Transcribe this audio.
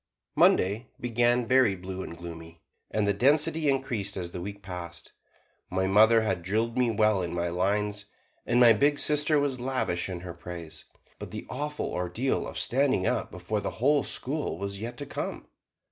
Monday began very blue and gloomy, and the density increased as the week passed. My mother had drilled me well in my lines, and my big sister was lavish in her praise, but the awful ordeal of standing up before the whole school was yet to come.